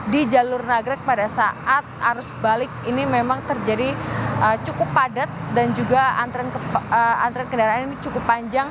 di jalur nagrek pada saat arus balik ini memang terjadi cukup padat dan juga antrian kendaraan ini cukup panjang